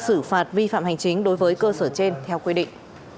xử phạt vi phạm hành chính đối với cơ sở trên theo quy định